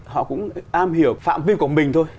họ cũng am hiểu phạm vi của mình thôi